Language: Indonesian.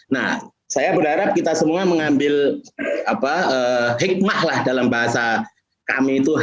nah saya berharap kita semua mengambil hikmahlah dalam bahasa kami itu hikmah